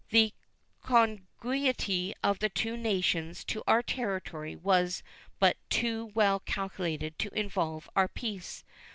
The contiguity of the two nations to our territory was but too well calculated to involve our peace.